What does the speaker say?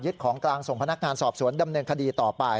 ของกลางส่งพนักงานสอบสวนดำเนินคดีต่อไป